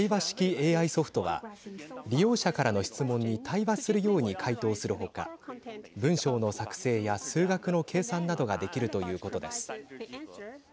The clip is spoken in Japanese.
ＡＩソフトは利用者からの質問に対話するように回答する他文章の作成や数学の計算などができるということです。